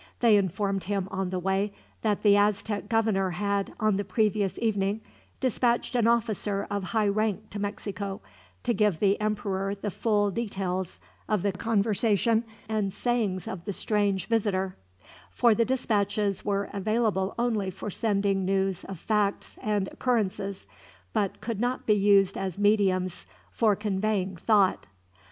They informed him on the way that the Aztec governor had, on the previous evening, dispatched an officer of high rank to Mexico, to give the emperor the full details of the conversation and sayings of the strange visitor; for the dispatches were available only for sending news of facts and occurrences, but could not be used as mediums for conveying thought.